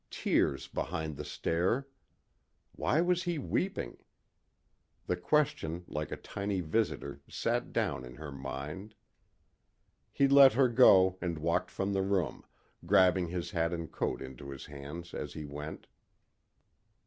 Tears behind the stare. Why was he weeping? The question like a tiny visitor sat down in her mind. He let her go and walked from the room, grabbing his hat and coat into his hands as he went.